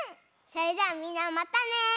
それじゃあみんなまたね。